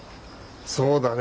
そうだね。